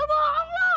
lo bohong lah nen